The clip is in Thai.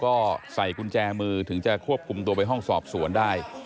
ก็ใส่กุญแจมือถึงจะควบคุมตัวไปห้องสอบสวนได้